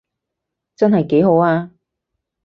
真係幾好啊